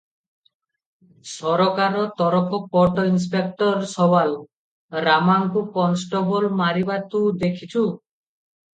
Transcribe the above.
ସରକାର ତରଫ court inspector ସୱାଲ - ରାମାକୁ କନଷ୍ଟବଳ ମାରିବା ତୁ ଦେଖିଛୁ?